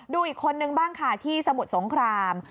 ดูอีกคนนึงบ้างค่ะที่สมุทรสงคราม